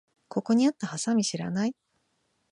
ここにあったハサミ知らない？